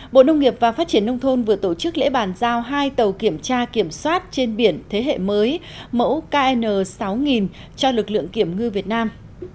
bộ nông nghiệp và phát triển nông thôn vừa tổ chức lễ bàn giao hai tàu kiểm tra kiểm soát trên biển thế hệ mới mẫu kn sáu cho lực lượng kiểm ngư việt nam